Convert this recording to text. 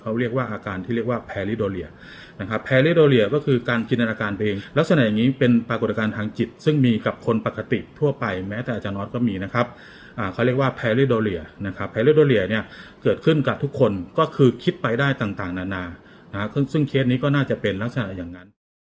เขาเรียกว่าอาการที่เรียกว่าแพริโดเรียนะครับแพริโดเรียก็คือการจินตนาการเพลงลักษณะอย่างนี้เป็นปรากฏการณ์ทางจิตซึ่งมีกับคนปกติทั่วไปแม้แต่อาจารย์ออสก็มีนะครับเขาเรียกว่าแพรรี่โดเรียนะครับแพริโดเรียเนี่ยเกิดขึ้นกับทุกคนก็คือคิดไปได้ต่างนานาซึ่งเคสนี้ก็น่าจะเป็นลักษณะอย่างนั้นนะครับ